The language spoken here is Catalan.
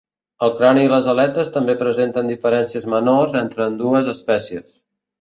El crani i les aletes també presenten diferències menors entre ambdues espècies.